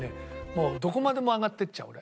もうどこまで上がっていっちゃう俺。